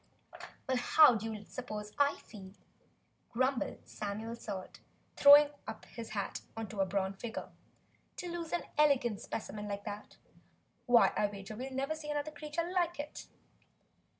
"Well, how do you suppose I feel," grumbled Samuel Salt, throwing his hat up on a bronze figure, "to lose an elegant specimen like that? Why, I'll wager we'll never see another creature like it!"